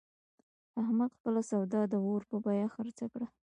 احمد خپله سودا د اور په بیه خرڅه کړه.